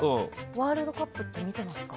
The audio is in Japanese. ワールドカップって見てますか？